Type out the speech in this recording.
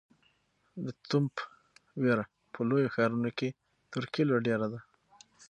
د تومت وېره په لویو ښارونو کې تر کلیو ډېره ده.